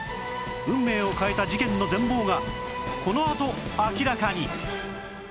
運命を変えた事件の全貌がこのあと明らかに